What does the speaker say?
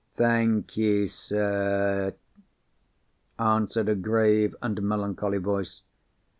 "Thank you, sir," answered a grave and melancholy voice.